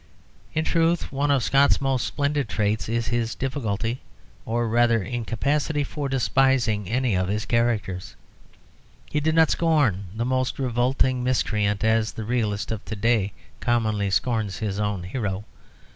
In truth, one of Scott's most splendid traits is his difficulty, or rather incapacity, for despising any of his characters. He did not scorn the most revolting miscreant as the realist of to day commonly scorns his own hero.